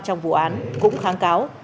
trong vụ án cũng kháng cáo